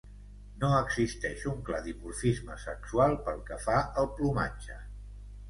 No existeix un clar dimorfisme sexual pel que fa al plomatge.